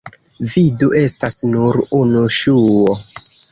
Vidu: estas nur unu ŝuo.